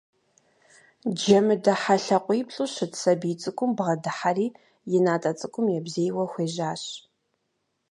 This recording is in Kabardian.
Джэмыдэ хьэлъакъуиплӀу щыт сабий цӀыкӀум бгъэдыхьэри и натӀэ цӀыкӀум ебзейуэ хуежьащ.